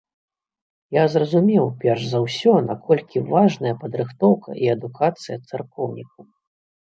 Я зразумеў перш за ўсё, наколькі важная падрыхтоўка і адукацыя царкоўнікаў.